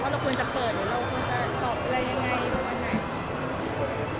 ว่าเราควรจะเปิดหรือเราควรจะตอบอะไรยังไง